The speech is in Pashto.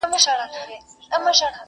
بيزو وان چي سو پناه د دېوال شا ته،